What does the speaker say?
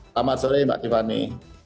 selamat sore mbak tiffany